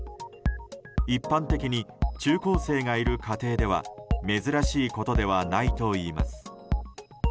一般的に中高生がいる家庭では珍しいことではないといいます。